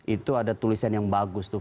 itu ada tulisan yang bagus tuh